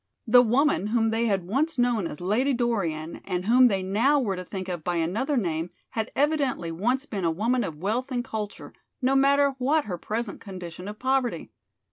The woman, whom they had once known as Lady Dorian and whom they now were to think of by another name, had evidently once been a woman of wealth and culture, no matter what her present condition of poverty.